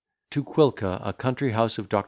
TO QUILCA A COUNTRY HOUSE OF DR.